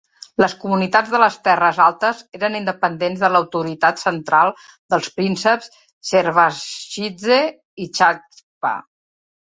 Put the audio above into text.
Les comunitats de les terres altes eren independents de l'autoritat central dels prínceps Shervashidze-Chachba.